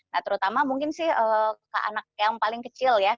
nah terutama mungkin sih ke anak yang paling kecil ya